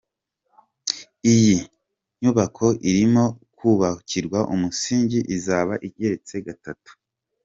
Iyi nyubako irimo kubakirwa umusingi izaba igeretse gatatu.